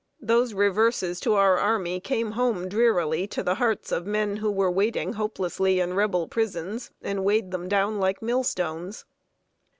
Those reverses to our army came home drearily to the hearts of men who were waiting hopelessly in Rebel prisons, and weighed them down like millstones.